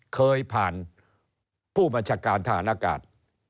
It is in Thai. เคยผ่านผู้บัญชาการทหารอากาศ